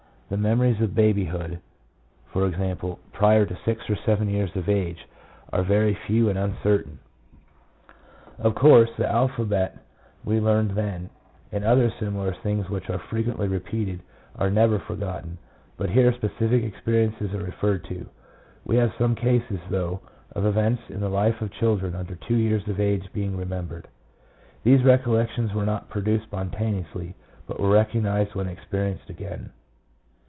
The memories of babyhood — i.e., prior to six or seven years of age, are very few and uncertain. 76 PSYCHOLOGY OF ALCOHOLISM. Of course, the alphabet we learned then, and other similar things which are frequently repeated, are never forgotten ; but here specific experiences are referred to. We have some cases, though, of events in the life of children under two years of age being remembered. These recollections were not produced spontaneously, but were recognized when experienced again.